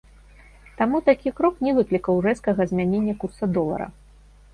Таму такі крок не выклікаў рэзкага змянення курса долара.